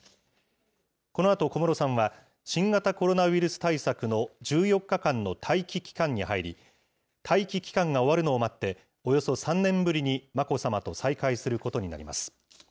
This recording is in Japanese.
このあと、小室さんは新型コロナウイルス対策の１４日間の待機期間に入り、待機期間が終わるのを待って、およそ３年ぶりに眞子さまと再会することになります。